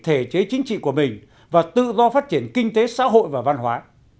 thể chế chính trị của mình và tự do phát triển kinh tế xã hội và văn hóa